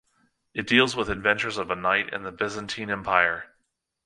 It deals with the adventures of a knight in the Byzantine Empire.